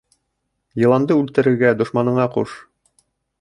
Йыланды үлтерергә дошманыңа ҡуш.